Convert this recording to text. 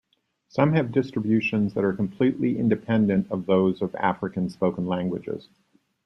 Some have distributions that are completely independent of those of African spoken languages.